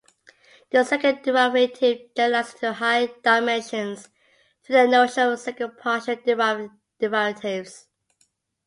The second derivative generalizes to higher dimensions through the notion of second partial derivatives.